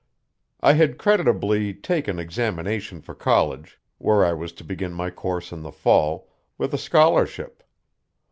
I had creditably taken examination for college, where I was to begin my course in the fall, with a scholarship.